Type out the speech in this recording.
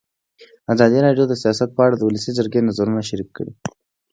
ازادي راډیو د سیاست په اړه د ولسي جرګې نظرونه شریک کړي.